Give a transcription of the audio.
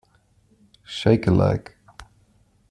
Shake a leg!